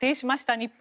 日本。